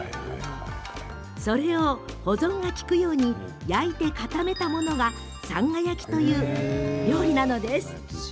それを保存が利くように焼いて固めたものが、さんが焼きという料理です。